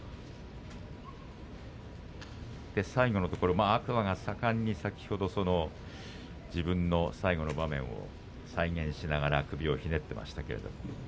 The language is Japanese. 最後は天空海が最後しきりに自分の最後の場面を再現しながら首をひねっていました。